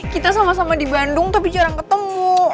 kita sama sama di bandung tapi jarang ketemu